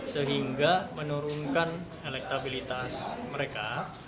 sehingga menurunkan elektabilitas mereka